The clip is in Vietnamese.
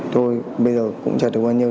thôi bây giờ cũng chạy được bao nhiêu